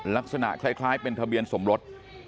ลักษณะคล้ายเป็นทะเบียนสมรส